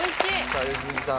さあ良純さん。